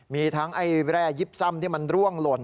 มีทั้งไอ้แร่ยิบซ่ำที่มันร่วงหล่น